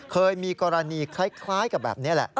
เคยมีกรณีคล้ายกับแบบนี้แหละ